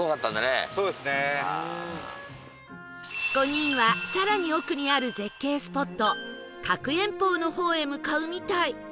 ５人は更に奥にある絶景スポット覚円峰の方へ向かうみたい